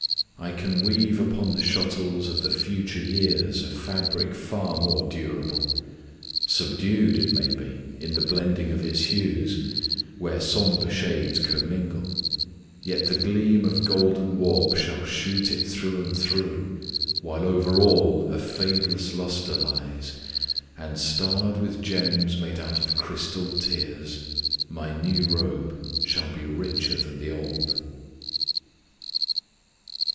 I can weave Upon the shuttles of the future years A fabric far more durable. Subdued, It may be, in the blending of its hues, Where somber shades commingle, yet the gleam Of golden warp shall shoot it through and through, While over all a fadeless luster lies, And starred with gems made out of crystalled tears, My new robe shall be richer than the old.